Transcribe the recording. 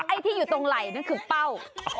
ไอ้ที่อยู่ตรงไหล่นั่นคือเป้า